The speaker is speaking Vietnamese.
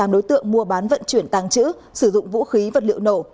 hai trăm tám mươi tám đối tượng mua bán vận chuyển tàng trữ sử dụng vũ khí vật liệu nổ